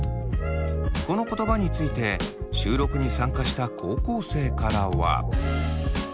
この言葉について収録に参加した高校生からは。